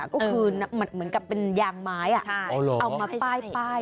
ก็คือเหมือนกับเป็นยางไม้เอามาป้าย